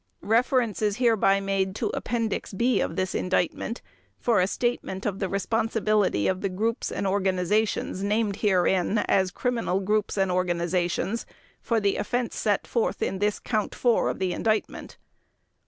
Reference is hereby made to Appendix B of this Indictment for a statement of the responsibility of the groups and organizations named herein as criminal groups and organizations for the offense set forth in this Count Four of the Indictment.